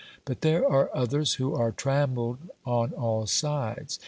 But there are others who are trammelled on all sides.